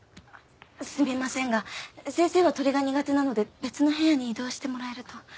すみませんが先生は鳥が苦手なので別の部屋に移動してもらえると。